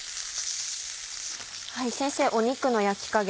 先生肉の焼き加減